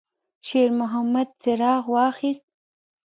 شېرمحمد څراغ واخیست.